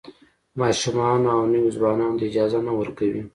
ماشومانو او نویو ځوانانو ته اجازه نه ورکوي.